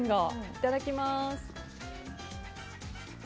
いただきます。